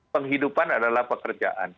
penghidupan adalah pekerjaan